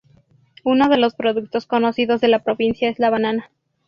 Uno de los productos conocidos de la provincia es la banana.